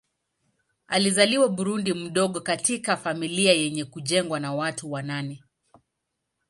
Alizaliwa Burundi mdogo katika familia yenye kujengwa na watu wa nane.